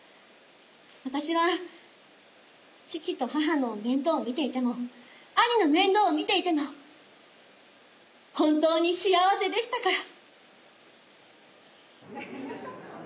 私は父と母の面倒を見ていても兄の面倒を見ていても本当に幸せでしたから。